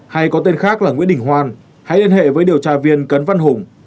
hay có tên khác là nguyễn đình hoan hãy liên hệ với điều tra viên cấn văn hùng